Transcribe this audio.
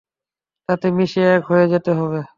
তাঁতে মিশে এক হয়ে যেতে হবে।